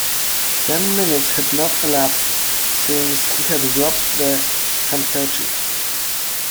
Ten minutes had not elapsed since he had dropped the handkerchief.